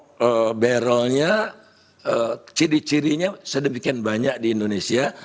nah ini pork barrelnya ciri cirinya sedemikian banyak di indonesia